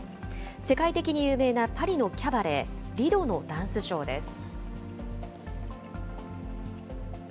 世界的に有名なパリのキャバレー、リドのダンスショーです。